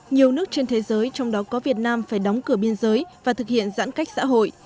nhiều nước trên thế giới trong đó có việt nam phải đóng cửa biên giới và thực hiện giãn cách xã hội